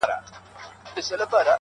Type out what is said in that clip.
لا په اورونو کي تازه پاته ده-